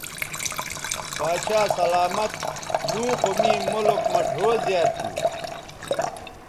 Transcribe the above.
باچھا سلامت لوں خو می ملک مہ ڙھؤ زیات تھو